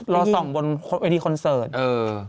รอส่องบนที่เต้นไทยนี้